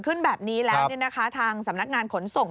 เขากลับรถค่ะหนูมาทางตรง